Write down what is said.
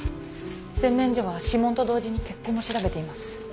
洗面所は指紋と同時に血痕も調べています。